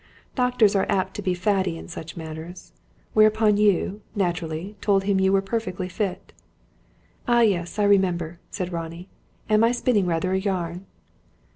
Doctors are apt to be faddy in such matters. Whereupon you, naturally, told him you were perfectly fit." "Ah, yes, I remember," said Ronnie. "Am I spinning rather a yarn?"